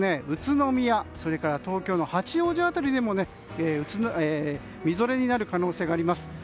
宇都宮やそれから東京の八王子辺りでもみぞれになる可能性があります。